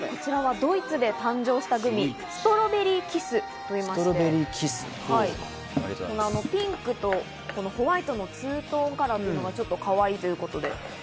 ドイツで誕生したストロベリーキスというもので、ピンクとこのホワイトのツートンカラーがかわいいということで。